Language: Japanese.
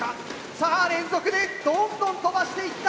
さあ連続でどんどん飛ばしていった！